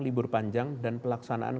libur panjang dan pelaksanaan